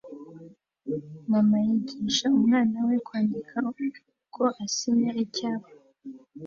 Mama yigisha umwana we kwandika uko asinya icyapa